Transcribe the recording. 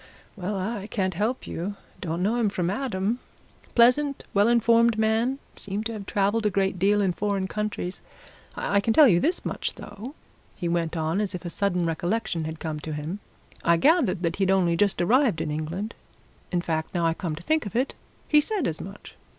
Well, I can't help you don't know him from Adam. Pleasant, well informed man seemed to have travelled a great deal in foreign countries. I can tell you this much, though," he went on, as if a sudden recollection had come to him; "I gathered that he'd only just arrived in England in fact, now I come to think of it, he said as much.